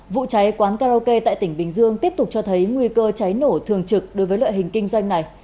vụ cháy quán karaoke tại tỉnh bình dương tiếp tục cho thấy nguy cơ cháy nổ thường trực đối với loại hình kinh doanh này